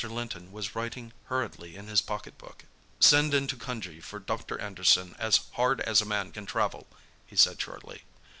Linton was writing hurriedly in his pocket book. "Send into Cunjee for Dr. Anderson as hard as a man can travel," he said shortly.